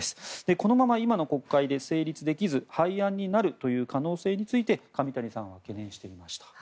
このまま今の国会で成立できず廃案になる可能性について上谷さんは懸念していました。